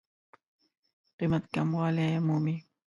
قېمت کموالی مومي.